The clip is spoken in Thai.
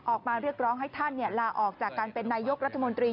ออกมาเรียกร้องให้ท่านลาออกจากการเป็นนายกรัฐมนตรี